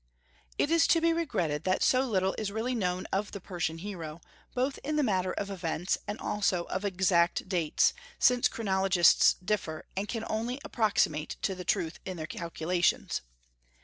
It is to be regretted that so little is really known of the Persian hero, both in the matter of events and also of exact dates, since chronologists differ, and can only approximate to the truth in their calculations.